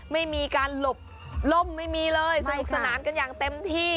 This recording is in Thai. ไม่มีการหลบล่มไม่มีเลยสนุกสนานกันอย่างเต็มที่